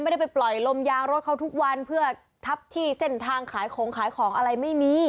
ไปปล่อยลมยางรถเขาทุกวันเพื่อทับที่เส้นทางขายของขายของอะไรไม่มี